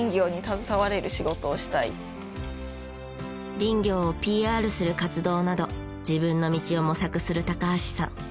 林業をＰＲする活動など自分の道を模索する高橋さん。